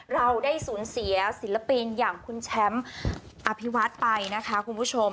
เราได้สูญเสียศิลปินอย่างคุณแชมป์อภิวัฒน์ไปนะคะคุณผู้ชม